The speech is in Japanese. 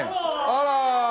あら！